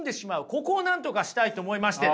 ここをなんとかしたいと思いましてね。